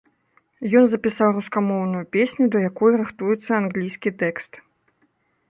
Ён запісаў рускамоўную песню, да якой рыхтуецца англійскі тэкст.